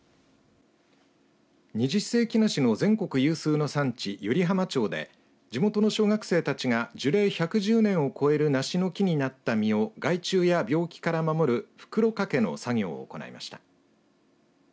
二十世紀梨の全国有数の産地湯梨浜町で、地元の小学校たちが樹齢１１０年を超える梨の木になった実を害虫や病気から守る、袋かけの作業を行いました。